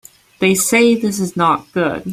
They say this is not good.